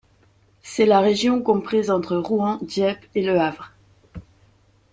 C'est la région comprise entre Rouen, Dieppe et Le Havre.